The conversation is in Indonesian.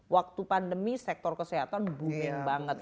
waktu pandemi sektor kesehatan booming banget